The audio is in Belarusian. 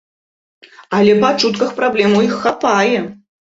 Але па чутках праблем у іх хапае!